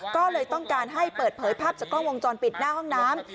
ก็เลยต้องการให้เปิดเผยภาพจากกล้องวงจรปิดหน้าห้องน้ำ